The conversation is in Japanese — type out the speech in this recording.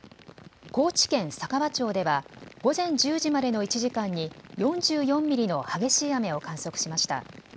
高知県佐川町では午前１０時までの１時間に４４ミリの激しい雨を観測しました。